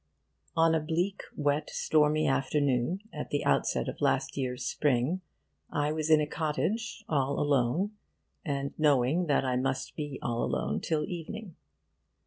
On a bleak wet stormy afternoon at the outset of last year's Spring, I was in a cottage, all alone, and knowing that I must be all alone till evening.